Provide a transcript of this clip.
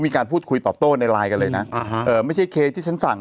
มีการพูดคุยตอบโต้ในไลน์กันเลยนะอ่าฮะเอ่อไม่ใช่เค้กที่ฉันสั่ง